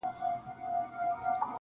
جهاني خپل جنون له ښاره بې نصیبه کړلم -